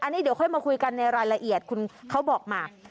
อันนี้เดี๋ยวค่อยมาคุยกันในรายละเอียดคุณเขาบอกมา